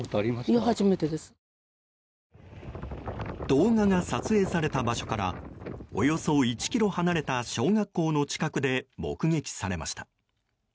動画が撮影された場所からおよそ１ｋｍ離れた小学校の近くで目撃されました。